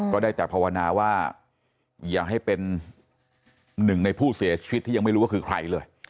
ก็ได้แต่ภาวนาว่าอย่าให้เป็นหนึ่งในผู้เสียชีวิตที่ยังไม่รู้ว่าคือใครเลย